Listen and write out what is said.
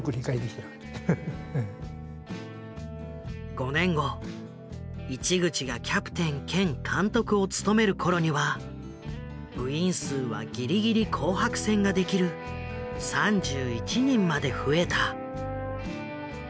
５年後市口がキャプテン兼監督を務める頃には部員数はギリギリ紅白戦ができる３１人まで増えた。